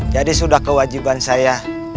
jadi sudah kewajiban saya